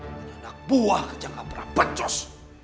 menyedak buah kejangka berapacus